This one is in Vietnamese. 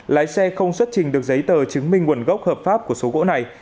lái xe không xuất trình được giấy tờ chứng minh nguồn gốc hợp pháp của số gỗ này